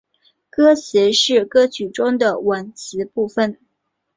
歌词是歌曲中的文词部分。